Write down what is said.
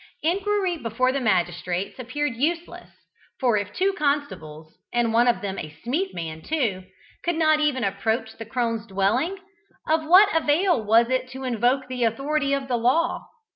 Inquiry before the magistrates appeared useless, for if two constables, and one of them a Smeeth man, too, could not even approach the crones' dwelling, of what avail was it to invoke the authority of the law?